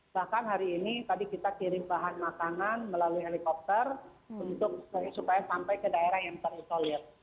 bahkan hari ini tadi kita kirim bahan makanan melalui helikopter untuk supaya sampai ke daerah yang terisolir